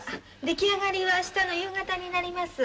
出来上がりは明日の夕方になります。